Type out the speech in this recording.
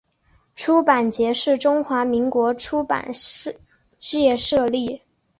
出版节是中华民国出版界设立。